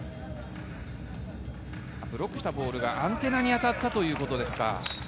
ブロックしたボールがアンテナに当たったということですか。